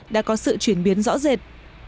đã có sự chuyển biến rõ rệt